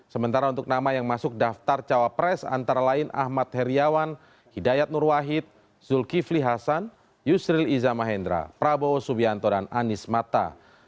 sementara untuk nama yang masuk daftar cawapres antara lain ahmad heriawan hidayat nurwahid zulkifli hasan yusril iza mahendra prabowo subianto dan anies mata